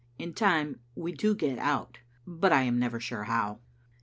In time we do get out, but I am never sure how.